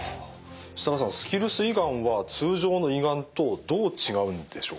設樂さんスキルス胃がんは通常の胃がんとどう違うんでしょうか？